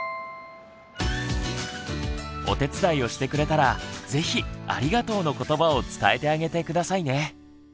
お手伝いをしてくれたらぜひ「ありがとう」の言葉を伝えてあげて下さいね。